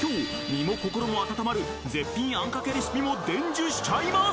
身も心も温まる絶品あんかけレシピも伝授しちゃいます！